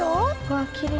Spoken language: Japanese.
わあきれい。